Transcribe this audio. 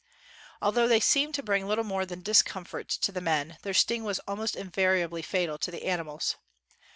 Although they seemed to bring little more than discomfort to the men their sting was almost invariably fatal to the animals.